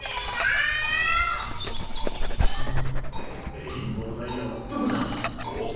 レインボーダイヤはどこだ！